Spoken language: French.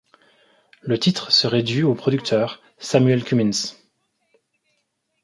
Le titre serait dû au producteur, Sammuel Cummins.